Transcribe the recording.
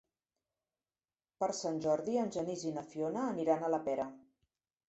Per Sant Jordi en Genís i na Fiona aniran a la Pera.